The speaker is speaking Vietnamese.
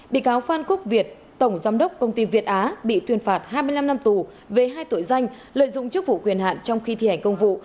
bị cáo phan quốc việt tổng giám đốc công ty việt á bị tuyên phạt hai mươi năm năm tù về hai tội danh lợi dụng chức vụ quyền hạn trong khi thi hành công vụ